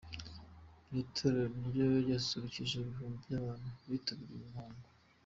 Iri torero niryo ryasusurukije ibihumbi by’abantu bitabiriye uyu muhango.